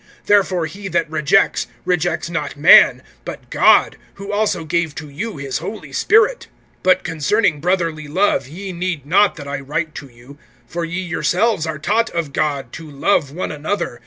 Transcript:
(8)Therefore he that rejects, rejects not man, but God, who also gave to you his Holy Spirit. (9)But concerning brotherly love ye need not that I write to you; for ye yourselves are taught of God to love one another.